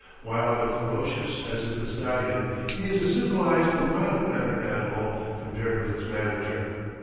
Wild and ferocious as is the stallion, he is a civilized and mild mannered animal compared with his manager.